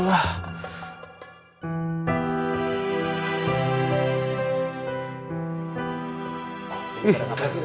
nggak ada apa apa